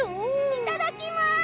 いただきます！